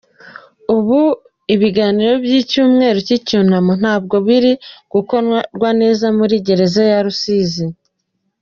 Ubu ibiganiro by’icyumweru cy’icyunamo ntabwo biri gukorwa neza muri gereza ya Rusizi.